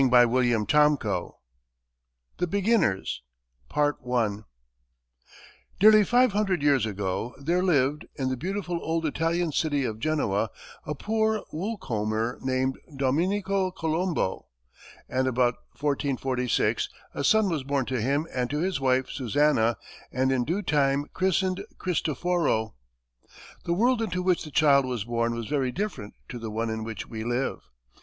CHAPTER II THE BEGINNERS Nearly five hundred years ago, there lived, in the beautiful old Italian city of Genoa, a poor wool comber named Dominico Colombo, and about 1446, a son was born to him and to his wife, Susanna, and in due time christened Christoforo. The world into which the child was born was very different to the one in which we live.